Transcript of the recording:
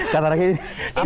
si bapak apaan sih